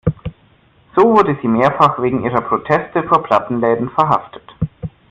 So wurde sie mehrfach wegen ihrer Proteste vor Plattenläden verhaftet.